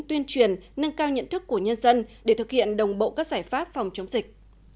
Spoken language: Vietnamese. tuyên truyền nâng cao nhận thức của nhân dân để thực hiện đồng bộ các giải pháp phòng chống dịch